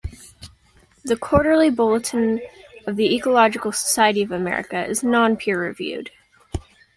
The quarterly "Bulletin of the Ecological Society of America" is non peer-reviewed.